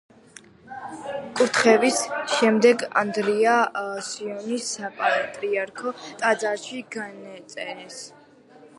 კურთხევის შემდეგ ანდრია სიონის საპატრიარქო ტაძარში განაწესეს.